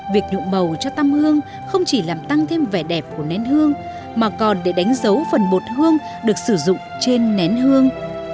việc nhuộm màu cho tâm hương không chỉ làm tăng thêm vẻ đẹp của nén hương mà còn để đánh dấu phần bột hương được sử dụng trên nén hương